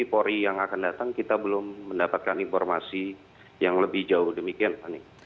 jadi untuk petinggi yang akan datang kita belum mendapatkan informasi yang lebih jauh demikian fandi